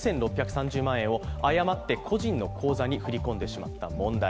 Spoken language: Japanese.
４６３０万円を誤って個人の口座に振り込んでしまった問題。